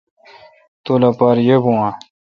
تو لوپار ییبو اؘ۔